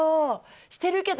してるけど。